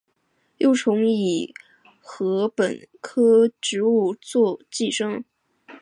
幼虫以禾本科植物作寄主。